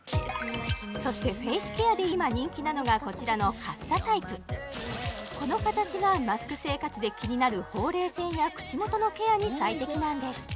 そしてフェイスケアで今人気なのがこちらのカッサタイプこの形がマスク生活で気になるほうれい線や口元のケアに最適なんです